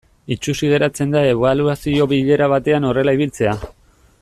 Itsusi geratzen da ebaluazio bilera batean horrela ibiltzea.